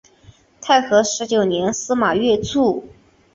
太和十九年司马跃卒。